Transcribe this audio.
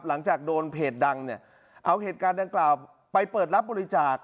หลังจากโดนเพจดังเนี่ยเอาเหตุการณ์ดังกล่าวไปเปิดรับบริจาค